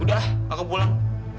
udah aku pulang